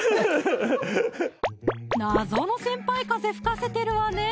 謎の先輩風ふかせてるわね